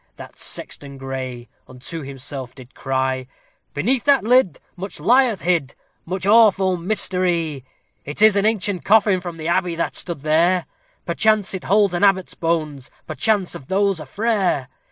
that sexton gray unto himself did cry, "Beneath that lid much lieth hid much awful mysterie. It is an ancient coffin from the abbey that stood here; Perchance it holds an abbot's bones, perchance those of a frere.